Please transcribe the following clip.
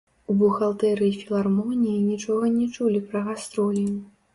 У бухгалтэрыі філармоніі нічога не чулі пра гастролі.